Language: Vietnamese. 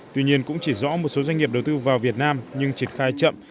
tuy nhiên cũng chỉ rõ một số doanh nghiệp đầu tư vào việt nam nhưng triệt khai chậm